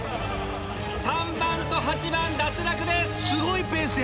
３番と８番脱落です！